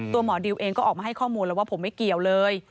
หมอดิวเองก็ออกมาให้ข้อมูลแล้วว่าผมไม่เกี่ยวเลย